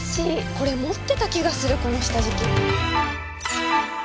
これ持ってた気がするこの下敷き。